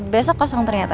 besok kosong ternyata